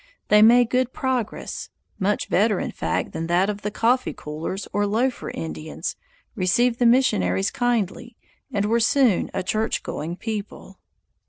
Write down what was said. They made good progress; much better, in fact, than that of the "coffee coolers" or "loafer" Indians, received the missionaries kindly and were soon a church going people.